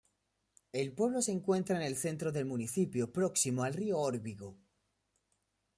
El pueblo se encuentra en el centro del municipio, próximo al río Órbigo.